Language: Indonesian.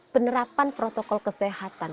penerapan protokol kesehatan